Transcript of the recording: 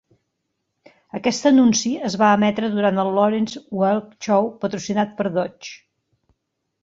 Aquest anunci es va emetre durant el "Lawrence Welk Show" patrocinat per Dodge.